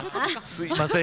すいません